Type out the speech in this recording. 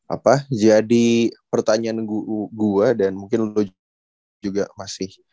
apa jadi pertanyaan gue dan mungkin lo juga masih